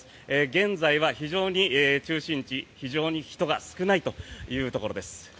現在は中心地、非常に人が少ないというところです。